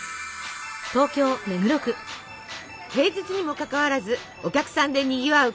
平日にもかかわらずお客さんでにぎわう